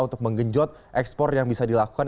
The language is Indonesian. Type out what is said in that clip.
untuk menggenjot ekspor yang bisa dilakukan